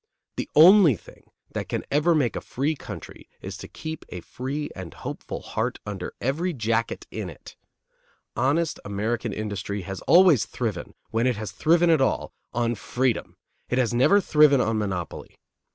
The only thing that can ever make a free country is to keep a free and hopeful heart under every jacket in it. Honest American industry has always thriven, when it has thriven at all, on freedom; it has never thriven on monopoly.